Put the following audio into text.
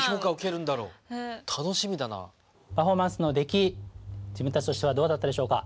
パフォーマンスの出来自分たちとしてはどうだったでしょうか？